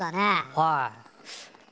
はい。